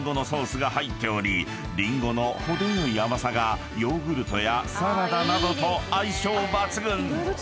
［りんごの程よい甘さがヨーグルトやサラダなどと相性抜群］